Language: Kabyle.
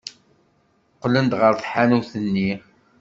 Qqlen ɣer tḥanut-nni.